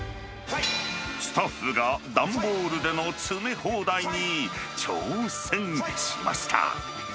スタッフが段ボールでの詰め放題に挑戦しました。